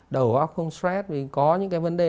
đầu óc không stress có những cái vấn đề